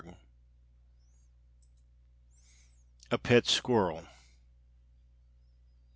A PET SQUIRREL.